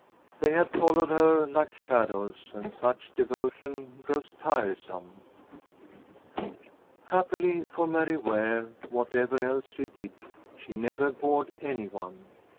They had followed her like shadows, and such devotion grows tiresome. Happily for Mary Ware, whatever else she did, she never bored any one.